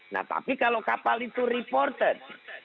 nah tapi kalau kapal itu reported